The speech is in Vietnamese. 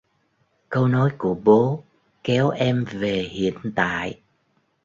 Câu nói của bố kéo em về hiện tại